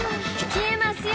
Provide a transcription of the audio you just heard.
「消えますよ」